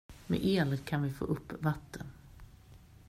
Med el kan vi få upp vatten.